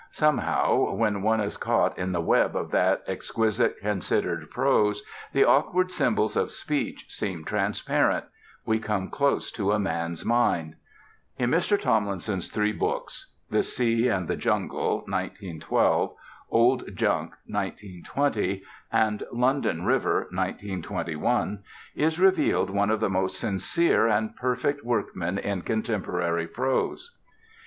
Somehow, when one is caught in the web of that exquisite, considered prose, the awkward symbols of speech seem transparent; we come close to a man's mind. In Mr. Tomlinson's three books The Sea and the Jungle (1912), Old Junk (1920) and London River (1921) is revealed one of the most sincere and perfect workmen in contemporary prose.